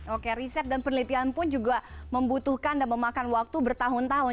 oke riset dan penelitian pun juga membutuhkan dan memakan waktu bertahun tahun